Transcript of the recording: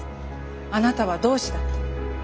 あなたは同志だって。